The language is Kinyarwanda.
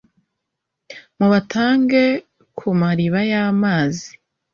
mubatange ku mariba y'amazi